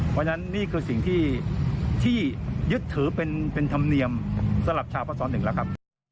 เพราะฉะนั้นนี่คือสิ่งที่ยึดถือเป็นธรรมเนียมสำหรับชาวพระสร๑แล้วครับ